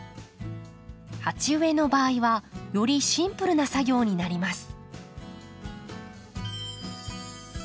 鉢植えの場合はよりシンプルな作業になります。